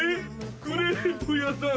クレープ屋さん。